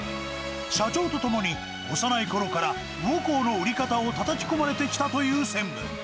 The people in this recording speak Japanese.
社長と共に、幼いころから魚幸の売り方をたたき込まれてきたという専務。